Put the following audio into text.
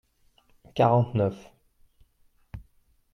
quarante neuf.